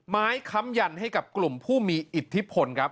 ค้ำยันให้กับกลุ่มผู้มีอิทธิพลครับ